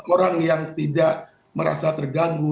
orang yang tidak merasa terganggu